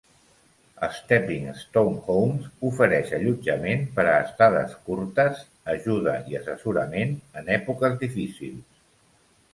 Stepping Stone Homes ofereix allotjament per a estades curtes, ajuda i assessorament en èpoques difícils.